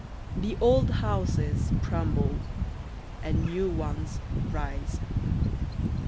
The old houses crumble and new ones rise.